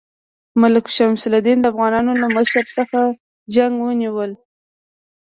ملک شمس الدین د افغانانو له مشر څخه جنګ ونیوله.